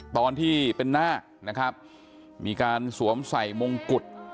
ตอนที่เป็นนาคมีการสวมใส่มงกุฎ